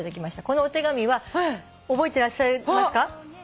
このお手紙は覚えてらっしゃいますか？